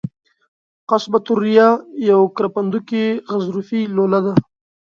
قصبة الریه یوه کرپندوکي غضروفي لوله ده.